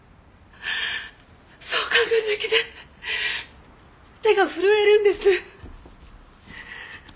そう考えるだけで手が震えるんです。